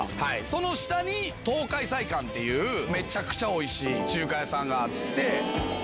その下に東海菜館っていうめちゃくちゃおいしい中華屋さんがあって。